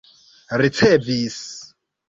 ricevis